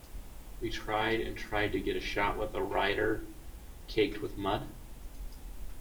We tried and tried to get a shot with a rider caked with mud.